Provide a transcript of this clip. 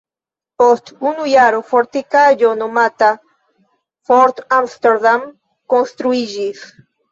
Post unu jaro fortikaĵo nomata "Fort Amsterdam" konstruiĝis.